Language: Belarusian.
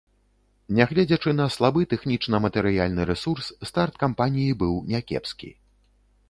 Нягледзячы на слабы тэхнічна-матэрыяльны рэсурс, старт кампаніі быў някепскі.